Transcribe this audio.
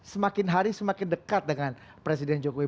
semakin hari semakin dekat dengan presiden jokowi